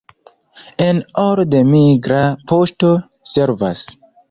En Old migra poŝto servas.